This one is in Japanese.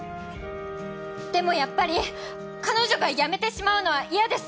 でもやっぱり彼女が辞めてしまうのは嫌です！